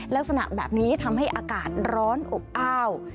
ลักษณะแบบนี้ทำให้อากาศร้อนอบอ้าว